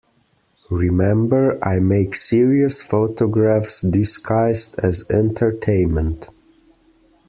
Remember I make serious photographs disguised as entertainment.